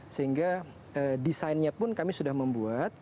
sehingga desainnya pun kami sudah membuat